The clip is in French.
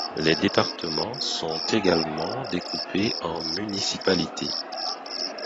Les départements sont également découpés en municipalités.